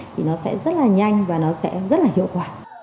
thì nó sẽ rất là nhanh và nó sẽ rất là hiệu quả